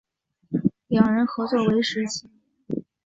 两人合作为时七年。